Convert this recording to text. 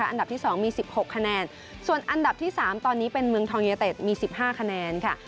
ันดับที่๒มี๑๖คนแนนส่วนอันดับที่๓ตอนนี้มึงทองเยเตศมี๑๕คนนานค่ะ